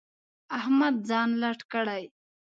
احمد ځان لټ کړی.